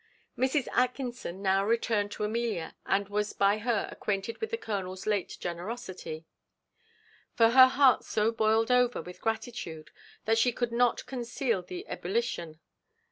Mrs. Atkinson now returned to Amelia, and was by her acquainted with the colonel's late generosity; for her heart so boiled over with gratitude that she could not conceal the ebullition.